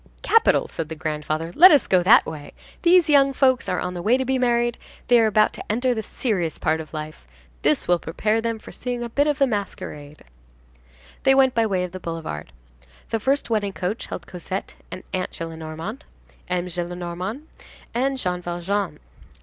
—"Capital," said the grandfather, "let us go that way. These young folks are on the way to be married; they are about to enter the serious part of life. This will prepare them for seeing a bit of the masquerade." They went by way of the boulevard. The first wedding coach held Cosette and Aunt Gillenormand, M. Gillenormand and Jean Valjean.